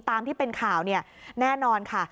ตามที่เป็นข่าวแน่นอนค่ะ